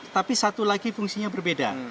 tapi satu lagi fungsinya berbeda